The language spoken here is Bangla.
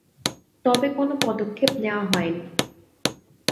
তবে কোনও পদক্ষেপ নেওয়া হয়নি।